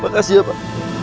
makasih ya pak